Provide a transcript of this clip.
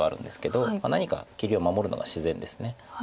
何か切りを守るのが自然です。